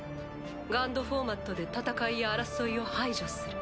ＧＵＮＤフォーマットで戦いや争いを排除する。